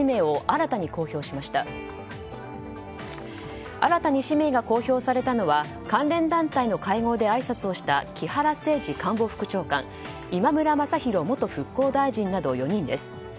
新たに氏名が公表されたのは関連団体の会合であいさつをした木原誠二官房副長官今村雅弘元復興大臣など４人です。